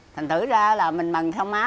thành thử ra là mình mặn thôi đó